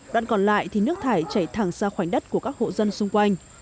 đoạn còn lại thì nước thải chảy thẳng ra khoảnh đất của các hộ dân xung quanh